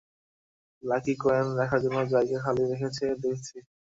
Lucky coin রাখার জন্য জায়গা খালি রেখেছ দেখছি।